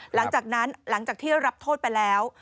หลังจากนั้นหลังจากที่รับโทษไปแล้ว